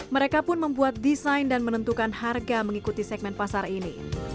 mereka pun membuat desain dan menentukan harga mengikuti segmen pasar ini